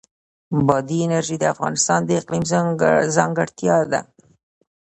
بادي انرژي د افغانستان د اقلیم ځانګړتیا ده.